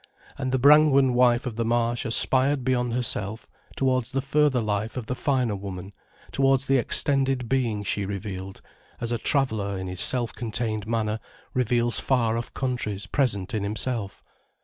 And the Brangwen wife of the Marsh aspired beyond herself, towards the further life of the finer woman, towards the extended being she revealed, as a traveller in his self contained manner reveals far off countries present in himself.